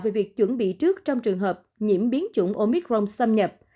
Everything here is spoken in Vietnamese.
về việc chuẩn bị trước trong trường hợp nhiễm biến chủng omicron xâm nhập